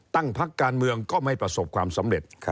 พักการเมืองก็ไม่ประสบความสำเร็จ